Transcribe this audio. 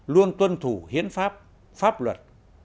luôn tuân thủ hiến pháp pháp luật